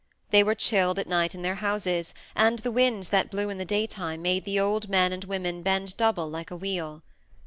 They were chilled at night in their houses, and the winds that blew in the daytime made the old men and women bend double like a wheel.